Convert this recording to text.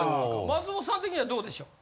松本さん的にはどうでしょう？